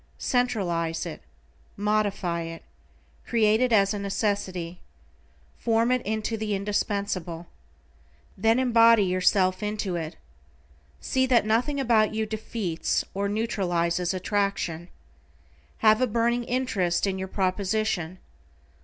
Centralize it. Modify it. Create it as a necessity. Form into it the indispensable. Then embody yourself into it. See that nothing about you defeats, or neutralizes attraction. Have a burning interest in your proposition.